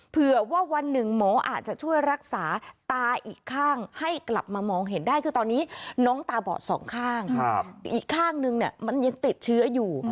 เผื่อว่าวันหนึ่งหมออาจจะช่วยรักษาตาอีกข้างให้กลับมามองเห็นได้คือตอนนี้น้องตาบอดสองข้างอีกข้างนึงมันยังติดเชื้ออยู่